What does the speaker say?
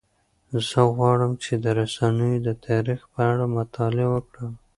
زه غواړم چې د رسنیو د تاریخ په اړه مطالعه وکړم.